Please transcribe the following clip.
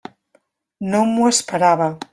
No m'ho esperava.